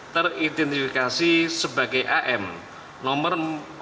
teridentifikasi sebagai am nomor empat puluh tiga